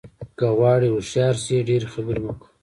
که غواړې هوښیار شې ډېرې خبرې مه کوه.